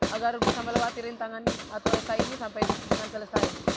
agar bisa melewati rintangan atau risa ini sampai dengan selesai